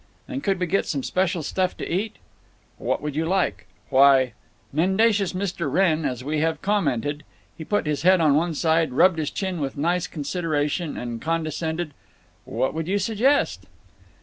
"And could we get some special stuff to eat?" "What would you like?" "Why—" Mendacious Mr. Wrenn! as we have commented. He put his head on one side, rubbed his chin with nice consideration, and condescended, "What would you suggest?"